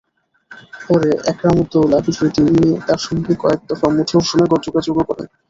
পরে একরামুদৌলা বিষয়টি নিয়ে তাঁর সঙ্গে কয়েক দফা মুঠোফোনে যোগাযোগও করেন।